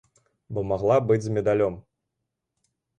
Бо магла быць з медалём.